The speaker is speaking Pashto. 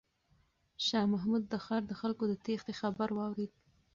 شاه محمود د ښار د خلکو د تیښتې خبر واورېد.